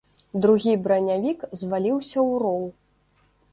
Другі бранявік зваліўся ў роў.